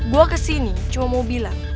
gue kesini cuma mau bilang